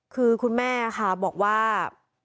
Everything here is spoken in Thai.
คือคุณแม่ค่ะบอกว่า